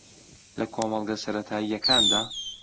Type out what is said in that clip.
لە کۆمەڵگە سەرەتایییەکاندا